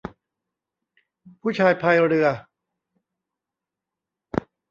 ผู้ชายพายเรือ